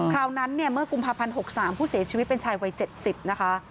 ราวนั้นเนี่ยเมื่อกุมภาพันธ์๖๓ผู้เสียชีวิตเป็นชายวัย๗๐นะคะ